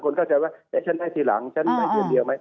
เข้าใจว่าฉันให้ทีหลังฉันได้เดือนเดียวไหม